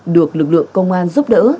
được lực lượng công an giúp đỡ